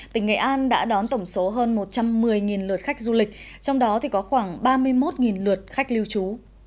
tỉnh nghệ an đã đón tổng số hơn một trăm một mươi lượt khách du lịch trong đó có khoảng ba mươi một lượt khách lưu trú